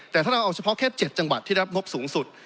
แต่ถ้าเราเอาเฉพาะแค่๗จังหวัดที่รับงบสูงสุด